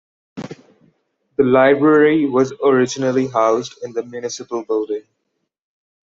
The library was originally housed in the Municipal Building.